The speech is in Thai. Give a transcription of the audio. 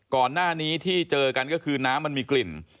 ก่อนหน้านี้ที่เจอกันก็คือน้ำมันมีกลิ่น